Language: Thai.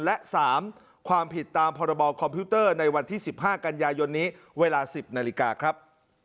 และ๓ความผิดตามพรบคอมพิวเตอร์ในวันที่๑๕กันยายนนี้เวลา๑๐นาฬิกาครับ